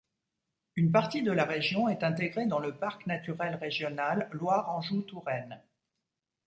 Une partie de la région est intégrée dans le parc naturel régional Loire-Anjou-Touraine.